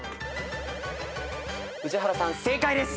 宇治原さん正解です。